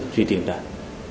truy tìm đạt